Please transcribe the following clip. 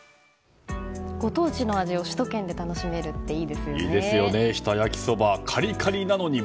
ご当地の味を首都圏で楽しめるっていいですよね。